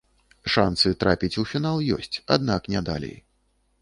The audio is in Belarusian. Шансы трапіць у фінал ёсць, аднак не далей.